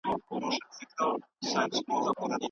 ښوونکی زدهکوونکو ته د ستونزو د حل طریقه ښيي.